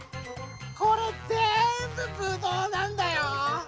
これぜんぶぶどうなんだよ。